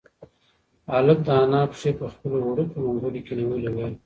هلک د انا پښې په خپلو وړوکو منگولو کې نیولې وې.